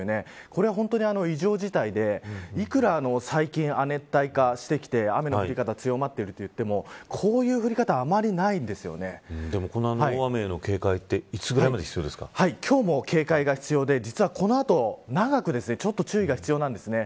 これは、本当に異常事態でいくら最近、亜熱帯化してきて雨の降り方が強まっているといってもこういう降り方はこの大雨の警戒は今日も警戒が必要で実はこの後、長くちょっと注意が必要なんですね。